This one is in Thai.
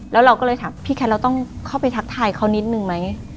แล้วเราก็เลยถามพี่แคทเราต้องเข้าไปทักทายเขานิดนึงไหม